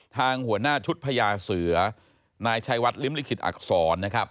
ทางหัวหน้าชุดพญาเสือนายชัยวัดลิ้มลิขิตอักษรนะครับ